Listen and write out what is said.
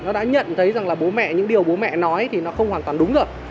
nó đã nhận thấy rằng là những điều bố mẹ nói thì nó không hoàn toàn đúng rồi